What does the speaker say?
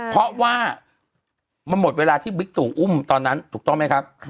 เพราะว่ามันหมดเวลาที่บิ๊กตู่อุ้มตอนนั้นถูกต้องไหมครับ